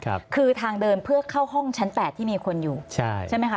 ครับคือทางเดินเพื่อเข้าห้องชั้นแปดที่มีคนอยู่ใช่ใช่ไหมคะ